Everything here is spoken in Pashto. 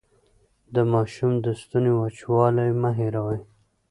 د ماشوم د ستوني وچوالی مه هېروئ.